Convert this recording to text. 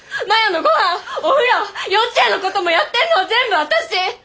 摩耶のごはんお風呂幼稚園のこともやってんのは全部私！